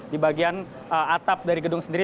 di bagian atap dari gedung sendiri